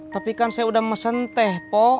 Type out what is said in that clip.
tapi kan saya udah mesen teh po